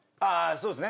そうですね。